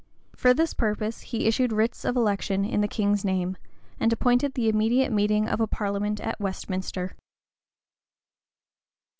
For this purpose he issued writs of election in the king's name, and appointed the immediate meeting of a parliament at Westminster.